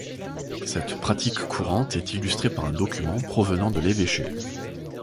Cette pratique courante est illustrée par un document provenant de l'évêché.